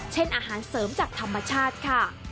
อาหารเสริมจากธรรมชาติค่ะ